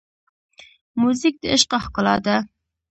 موزیک د عشقه ښکلا ده.